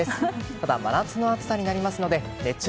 ただ、真夏の暑さになりますのでそして今夜は。